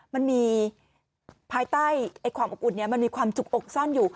มันมีภายใต้ความอบอุ่นมันมีความจุกอกซ่อนอยู่